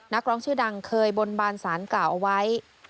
นักร้องชื่อดังเคยบนบานสารกล่าวเอาไว้